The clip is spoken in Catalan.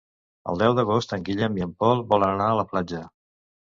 El deu d'agost en Guillem i en Pol volen anar a la platja.